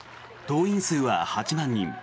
党員数は８万人。